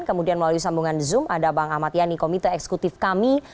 kemudian melalui sambungan zoom ada bang ahmad yani komite eksekutif kami